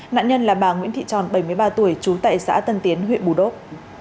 nạn nhân là bà nguyễn thị tròn bảy mươi ba tuổi trú tại xã tân tiến huyện bù đốc